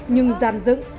nhưng gian dựng